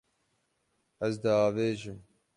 Ez diavêjim.